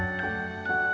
tenang temukan franz dulu